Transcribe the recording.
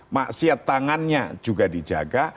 maksiat tangannya juga dijaga